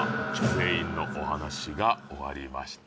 全員のお話が終わりました